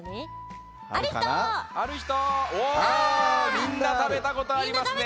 みんなたべたことありますね。